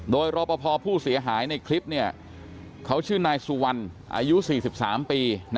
โดยรอปภผู้เสียหายในคลิปเขาชื่อนายสุวรรณอายุ๔๓ปี